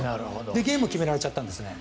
で、ゲームを決められちゃったんですね。